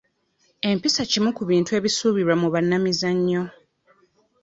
Empisa kimu ku bintu ebikulu ebisuubirwa mu bannabyamizannyo.